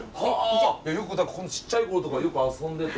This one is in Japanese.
よくちっちゃい頃とかよく遊んでて。